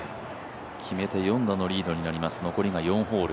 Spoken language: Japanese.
決めて４打のリードになります、残り４ホール。